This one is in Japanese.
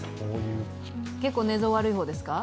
結構、寝相悪い方ですか？